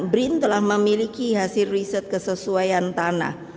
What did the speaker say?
brin telah memiliki hasil riset kesesuaian tanah